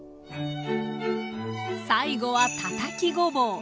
最後はたたきごぼう。